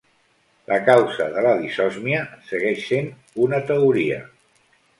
La causa de la disòsmia segueix sent una teoria.